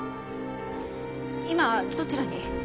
今どちらに？